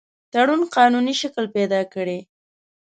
تړون قانوني شکل پیدا کړي.